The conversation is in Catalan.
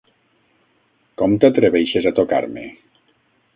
Com t'atreveixes a tocar-me?